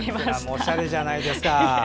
おしゃれじゃないですか。